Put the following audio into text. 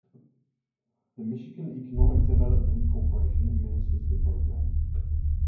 The Michigan Economic Development Corporation administers the program.